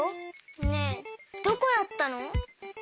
ねえどこやったの？